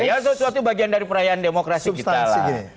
ya itu suatu bagian dari perayaan demokrasi kita lah